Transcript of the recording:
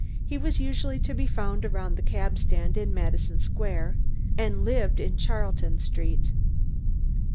He was usually to be found around the cabstand in Madison Square, and lived in Charlton Street.